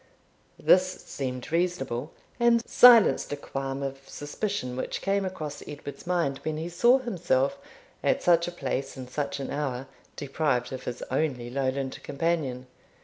This seemed reasonable, and silenced a qualm of suspicion which came across Edward's mind when he saw himself, at such a place and such an hour, deprived of his only Lowland companion.